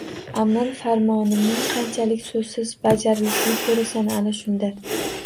Amr-farmonimning qanchalik so‘zsiz bajarilishini ko‘rasan ana shunda.